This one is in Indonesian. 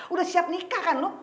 udah siap nikah kan lo